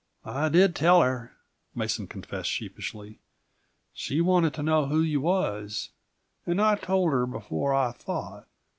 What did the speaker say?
"I did tell her," Mason confessed sheepishly. "She wanted to know who you was, and I told her before I thought.